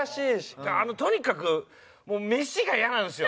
とにかくもう飯が嫌なんですよ